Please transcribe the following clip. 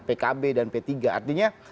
pkb dan p tiga artinya